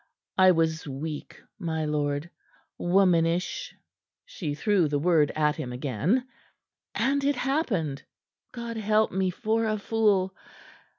I was weak, my lord womanish," (she threw the word at him again) "and it happened God help me for a fool!